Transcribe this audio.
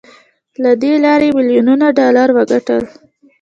له دې لارې يې ميليونونه ډالر وګټل.